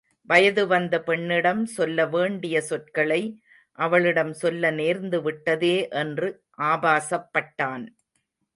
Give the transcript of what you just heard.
வயது வந்த பெண்ணிடம் சொல்ல வேண்டிய சொற்களை அவளிடம் சொல்ல நேர்ந்துவிட்டதே என்று அபாசப்பட்டான்.